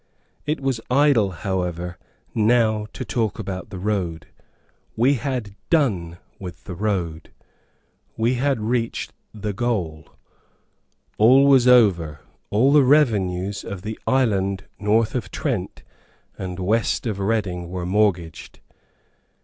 It was idle, however, now to talk about the road; we had done with the road; we had reached the goal; all was over; all the revenues of the island north of Trent and west of Reading were mortgaged.